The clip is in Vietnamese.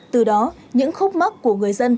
từ đó những khúc mắc của công an phường gia thụy